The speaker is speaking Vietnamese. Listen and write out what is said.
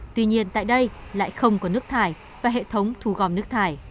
tuy nhiên tại đây lại không có nước thải và hệ thống thu gom nước thải